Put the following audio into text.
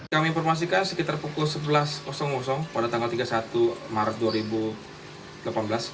kami informasikan sekitar pukul sebelas pada tanggal tiga puluh satu maret dua ribu delapan belas